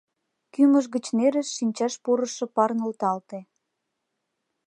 Кӱмыж гыч нерыш, шинчаш пурышо пар нӧлталте.